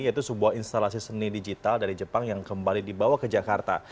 yaitu sebuah instalasi seni digital dari jepang yang kembali dibawa ke jakarta